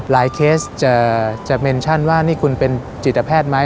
เคสจะเมนชั่นว่านี่คุณเป็นจิตแพทย์ไหม